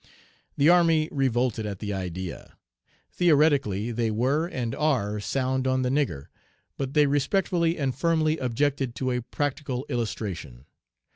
The army revolted at the idea. Theoretically they were and are sound on the nigger, but they respectfully and firmly objected to a practical illustration.